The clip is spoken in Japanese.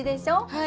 はい。